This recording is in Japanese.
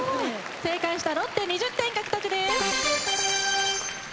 正解したロッテ２０点獲得です。